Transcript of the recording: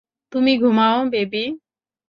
তুমি ঘুমাও, বেবি।